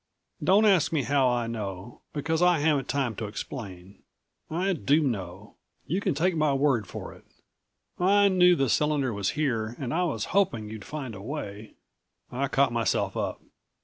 "Don't ask me how I know, because I haven't time to explain. I do know you can take my word for it. I knew the cylinder was here, and I was hoping you'd find a way " I caught myself up.